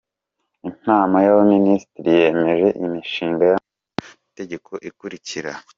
Inama y’Abaminisitiri yemeje Imishinga y’Amategeko ikurikira :